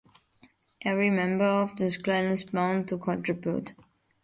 Every member of the clan is bound to contribute.